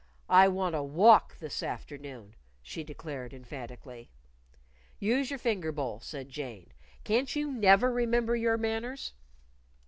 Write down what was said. "I want a walk this afternoon," she declared emphatically. "Use your finger bowl," said Jane. "Can't you never remember your manners?"